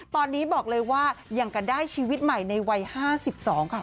ตอนนี้บอกเลยว่ายังกันได้ชีวิตใหม่ในวัย๕๒ค่ะ